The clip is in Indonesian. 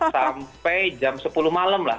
sampai jam sepuluh malam lah